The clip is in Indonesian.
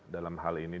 dalam hal ini